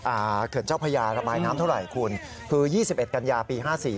เขื่อนเจ้าพญาระบายน้ำเท่าไหร่คุณคือยี่สิบเอ็ดกันยาปีห้าสี่